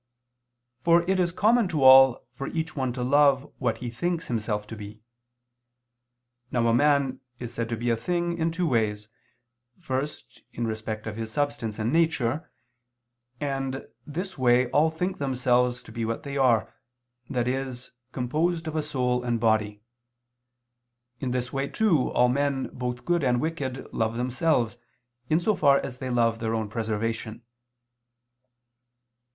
For it is common to all for each one to love what he thinks himself to be. Now a man is said to be a thing, in two ways: first, in respect of his substance and nature, and, this way all think themselves to be what they are, that is, composed of a soul and body. In this way too, all men, both good and wicked, love themselves, in so far as they love their own preservation.